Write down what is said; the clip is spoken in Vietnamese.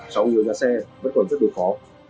sau nhiều nhà xe vẫn còn rất đều khó